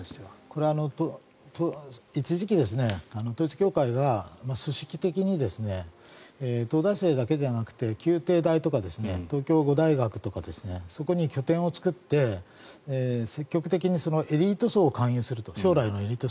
これは一時期、統一教会が組織的に東大生だけじゃなくて旧帝大とか東京５大学とかそこに拠点を作って積極的に将来のエリート層を勧誘すると。